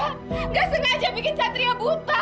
nggak sengaja bikin sadria buta